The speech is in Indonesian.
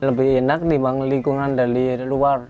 lebih enak dibanding lingkungan dari luar